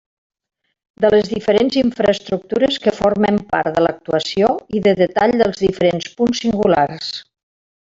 De les diferents infraestructures que formen part de l'actuació i de detall dels diferents punts singulars.